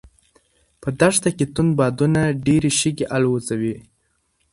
په دښته کې توند بادونه ډېرې شګې الوځوي.